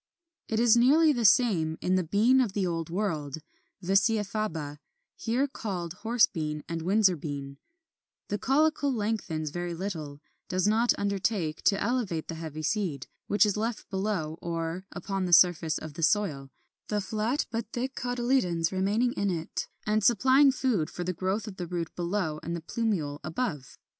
26. It is nearly the same in the Bean of the Old World (Vicia Faba, here called Horse Bean and Windsor Bean): the caulicle lengthens very little, does not undertake to elevate the heavy seed, which is left below or upon the surface of the soil, the flat but thick cotyledons remaining in it, and supplying food for the growth of the root below and the plumule above.